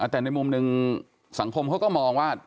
แต่ในมุมหนึ่งสังคมเขาก็มองว่า